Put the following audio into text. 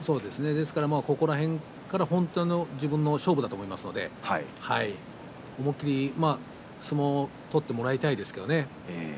ここから本当に自分との勝負だと思いますのでいい相撲を取ってもらいたいですけどね。